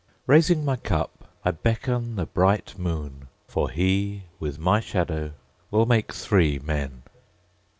Raising my cup I beckon the bright moon, For he, with my shadow, will make three men.